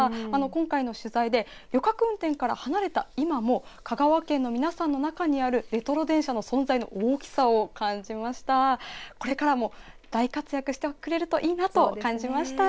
今回の取材で旅客運転から離れた今も香川県の皆さんの中にあるレトロ電車の存在の大きさを感じました。